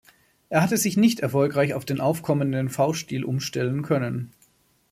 Er hatte sich nicht erfolgreich auf den aufkommenden V-Stil umstellen können.